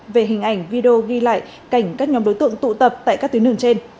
về hình ảnh video ghi lại cảnh các nhóm đối tượng tụ tập tại các tuyến đường trên